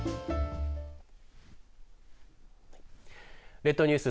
列島ニュース